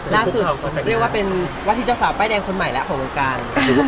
ล่าสุดเรียกว่าเป็นวัตถุดิบเจ้าสาวป้ายแดงคนใหม่แล้วของโรงการ